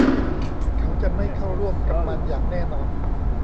เขาจะไม่เข้าร่วมกับมันอย่างแน่นอน